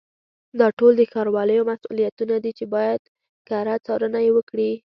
دا ټول د ښاروالیو مسؤلیتونه دي چې باید کره څارنه یې وکړي.